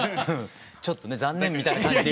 ちょっとね残念みたいな感じで。